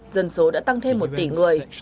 dân số đã tăng thêm một tỷ người